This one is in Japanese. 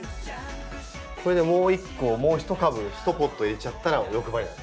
これでもう一個もう一株一ポット入れちゃったら欲張りなんですね。